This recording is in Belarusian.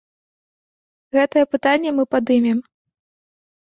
Гэтае пытанне мы падымем.